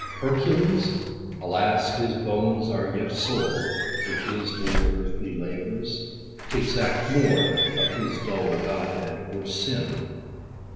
Hercules ? Alas his bones are yet sore, With his old earthly labors : t' exact more, Of his dull godhead, were sin.